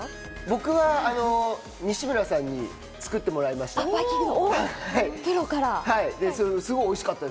僕は西村さんに作ってもらいました。